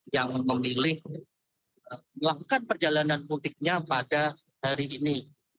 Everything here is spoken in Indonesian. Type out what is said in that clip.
yang memilih melakukan perjalanan mudiknya pada hari ini